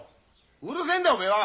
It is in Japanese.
うるせえんだおめえは！